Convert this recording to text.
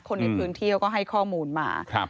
คนในพื้นที่ก็ให้ข้อมูลมา